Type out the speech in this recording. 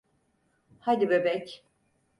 Hadi bebek.